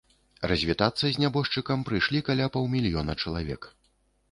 Развітацца з нябожчыкам прыйшлі каля паўмільёна чалавек.